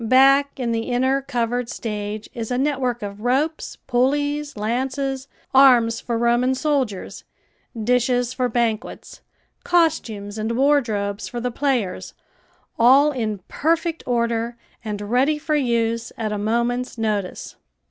Back in the inner covered stage is a network of ropes, pulleys, lances, arms for Roman soldiers, dishes for banquets, costumes and wardrobes for the players, all in perfect order and ready for use at a moment's notice.